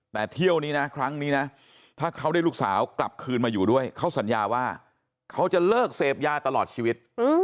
แต่เที่ยวนี้นะครั้งนี้นะถ้าเขาได้ลูกสาวกลับคืนมาอยู่ด้วยเขาสัญญาว่าเขาจะเลิกเสพยาตลอดชีวิต